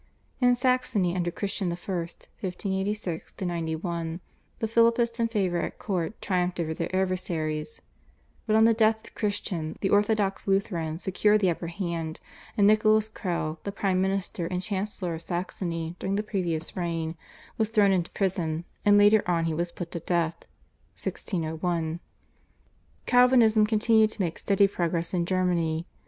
In Saxony under Christian I. (1586 91) the Philippists in favour at court triumphed over their adversaries, but on the death of Christian the orthodox Lutherans secured the upper hand, and Nicholas Crell, the prime minister and chancellor of Saxony during the previous reign, was thrown into prison, and later on he was put to death (1601). Calvinism continued to make steady progress in Germany.